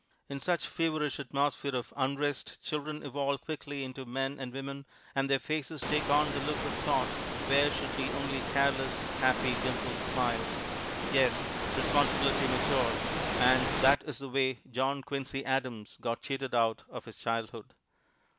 In such a feverish atmosphere of unrest, children evolve quickly into men and women, and their faces take on the look of thought where should be only careless, happy, dimpled smiles. Yes, responsibility matures, and that is the way John Quincy Adams got cheated out of his childhood.